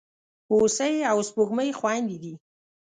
هوسۍ او سپوږمۍ خوېندي دي.